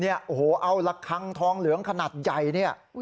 เอาละครังทองเหลืองขนาดใหญ่